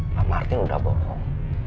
pak martin udah bohong